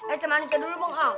eh cuman bisa dulu bang